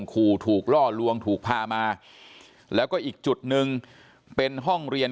ขู่ถูกล่อลวงถูกพามาแล้วก็อีกจุดหนึ่งเป็นห้องเรียน